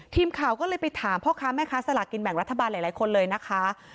ทีมข่าวก็เลยไปถามพ่อค้าแม่ค้าสลากินแบ่งรัฐบาลหลายคนเลยนะคะ